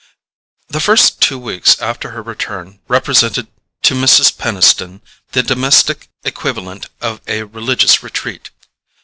The first two weeks after her return represented to Mrs. Peniston the domestic equivalent of a religious retreat.